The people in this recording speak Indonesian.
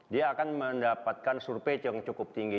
dia akan mendapatkan surpage yang cukup tinggi